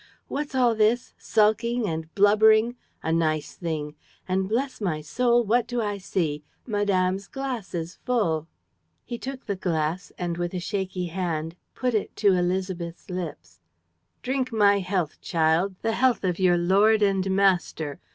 "What's all this? Sulking? And blubbering? A nice thing! And, bless my soul, what do I see? Madame's glass is full!" He took the glass and, with a shaky hand, put it to Élisabeth's lips: "Drink my health, child! The health of your lord and master!